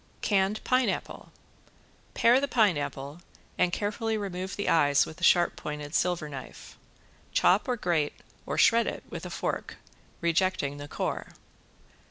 ~CANNED PINEAPPLE~ Pare the pineapple and carefully remove the eyes with a sharp pointed silver knife. Chop or grate or shred it with a fork, rejecting the core.